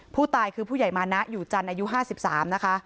ผู้ตายคือผู้ใหญ่มานะอยู่จันทร์อายุ๕๓นะคะ